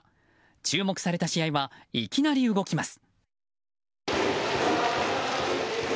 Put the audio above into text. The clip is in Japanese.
注目された試合はいきなり動きます。